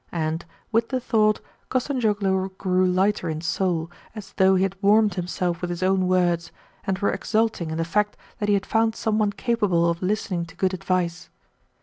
And, with the thought, Kostanzhoglo grew lighter in soul, as though he had warmed himself with his own words, and were exulting in the fact that he had found some one capable of listening to good advice.